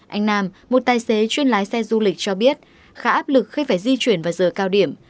anh nam một tài xế chuyên lái xe du lịch cho biết khá áp lực khi phải di chuyển vào giờ cao điểm